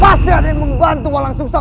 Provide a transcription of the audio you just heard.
pasti ada yang membantu walang sungsang